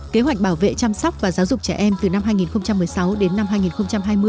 kế hoạch bảo vệ chăm sóc và giáo dục trẻ em từ năm hai nghìn một mươi sáu đến năm hai nghìn hai mươi